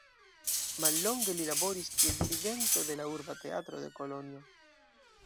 Mallonge li laboris kiel dirigento de la urba teatro de Kolonjo.